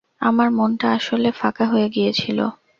আমার মনটা আসলে ফাঁকা হয়ে গিয়েছিল।